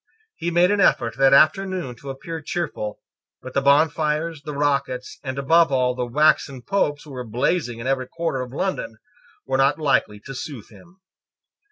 He made an effort that afternoon to appear cheerful: but the bonfires, the rockets, and above all the waxen Popes who were blazing in every quarter of London, were not likely to soothe him.